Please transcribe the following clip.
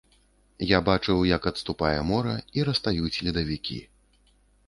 Я бачыў, як адступае мора і растаюць ледавікі.